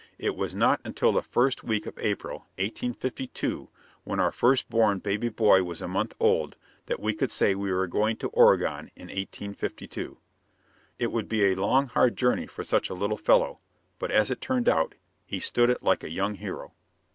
It was not until the first week of April, 1852, when our first born baby boy was a month old, that we could say we were going to Oregon in 1852. It would be a long, hard journey for such a little fellow, but as it turned out, he stood it like a young hero.